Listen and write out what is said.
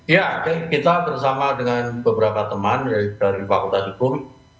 ya kita bersama dengan beberapa teman dari fakultas hukum